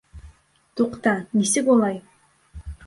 Туҡта, нисек улай?